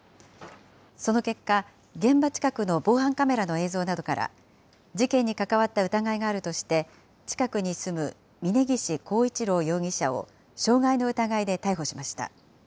その結果、現場近くの防犯カメラの映像などから、事件に関わった疑いがあるとして、近くに住む峰岸幸一郎容疑者を傷害の疑いで逮捕しました。